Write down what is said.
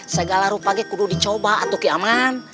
segala rupa ini harus dicoba atuk yaman